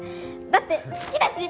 だって好きだし！